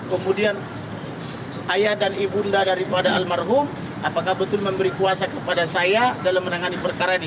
kemudian ayah dan ibunda daripada almarhum apakah betul memberi kuasa kepada saya dalam menangani perkara ini